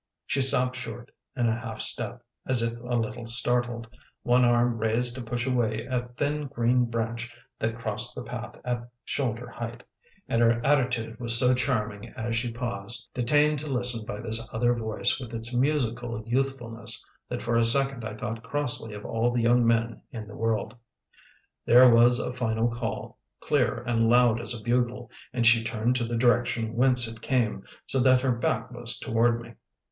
She stopped short, in a half step, as if a little startled, one arm raised to push away a thin green branch that crossed the path at shoulder height; and her attitude was so charming as she paused, detained to listen by this other voice with its musical youthfulness, that for a second I thought crossly of all the young men in the world. There was a final call, clear and loud as a bugle, and she turned to the direction whence it came, so that her back was toward me.